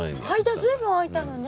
間随分あいたのね。